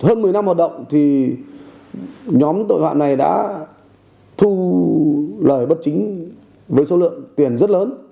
hơn một mươi năm hoạt động thì nhóm tội phạm này đã thu lời bất chính với số lượng tiền rất lớn